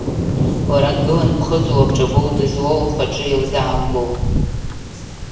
Лара дгылан, ԥхыӡу лабҿабоу дызлоу лхаҿы илзаамго.